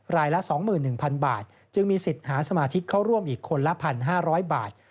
รายละ๒๑๐๐๐บาทจึงมีสิทธิ์หาสมาชิกเข้าร่วมอีกคนละ๑๕๐๐บาท